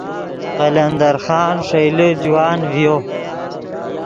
قلمدر خان ݰئیلے جوان ڤیو